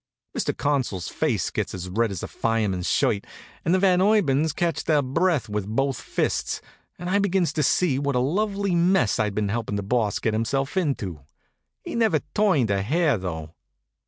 Mr. Consul's face gets as red as a fireman's shirt, the Van Urbans catch their breath with both fists, and I begins to see what a lovely mess I'd been helping the Boss to get himself into. He never turned a hair though.